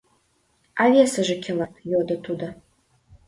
— А весыже кӧлан? — йодо тудо.